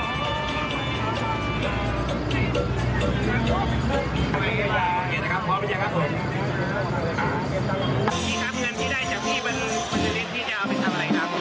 ให้ซ่อนแซมบ้านให้สาธุมเพิ่มคูณขึ้นอีก๕๐๐๐บาทเหลือ๑๐๐๐๐บาท